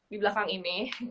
di belakang ini